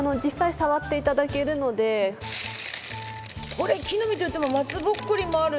これ木の実といっても松ぼっくりもあるし。